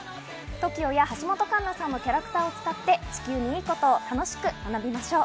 ＴＯＫＩＯや橋本環奈さんのキャラクターを使って地球にいいことを楽しく学びましょう。